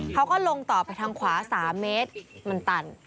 เขาก็ลงต่อไปทางขวา๓เมตรมันตัน